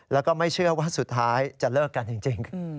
แล้วก็ไม่เชื่อว่าสุดท้ายจะเลิกกันจริง